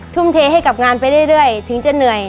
ทุ่มเทให้กับงานไปเรื่อยถึงจะเหนื่อย